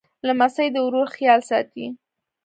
لمسی د ورور خیال ساتي.